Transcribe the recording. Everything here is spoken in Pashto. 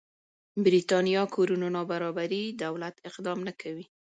برېتانيا کورونو نابرابري دولت اقدام نه کموي.